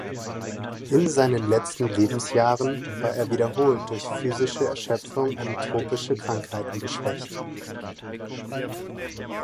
In seinen letzten Lebensjahren war er wiederholt durch physische Erschöpfung und tropische Krankheiten geschwächt.